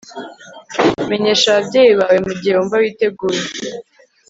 Menyesha ababyeyi bawe mugihe wumva witeguye